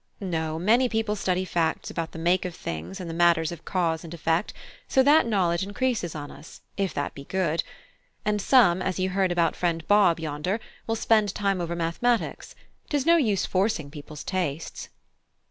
No; many people study facts about the make of things and the matters of cause and effect, so that knowledge increases on us, if that be good; and some, as you heard about friend Bob yonder, will spend time over mathematics. 'Tis no use forcing people's tastes."